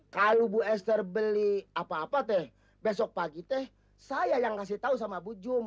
kalau bu esther beli apa apa teh besok pagi teh saya yang kasih tahu sama bu jung